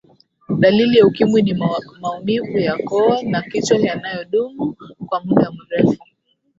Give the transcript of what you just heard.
dalili ya ukimwi ni maumivu ya koo na kichwa yanayodumu kwa muda mrefu